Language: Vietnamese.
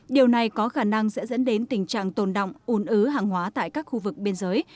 điều này có khả năng sẽ dẫn đến tình trạng tồn động un ứ hàng hóa tại các khu vực biên giới